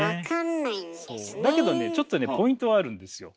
だけどねちょっとねポイントはあるんですよ。